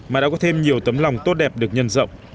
mà đã có thêm nhiều tấm lòng tốt đẹp được nhân rộng